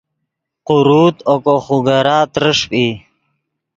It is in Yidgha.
قوروت اوگو خوگرا ترݰپ ای